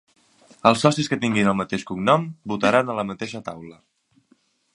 Els socis que tinguin el mateix cognom votaran a la mateixa taula.